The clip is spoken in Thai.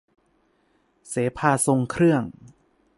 เสภาทรงเครื่อง